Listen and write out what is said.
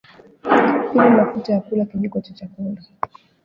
pima mafuta ya kula kijiko cha chakula